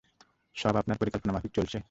সব আপনার পরিকল্পনামাফিক চলছে।